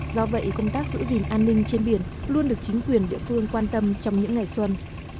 do vậy công tác giữ gìn an ninh trên biển luôn được chính quyền địa phương quan tâm trong những ngày xuân